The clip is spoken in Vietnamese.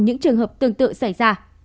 những trường hợp tương tự xảy ra